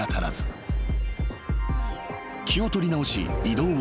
［気を取り直し移動を再開］